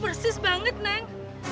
persis banget neng